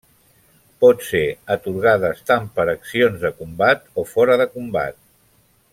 Pot ser atorgades tant per accions de combat o fora de combat.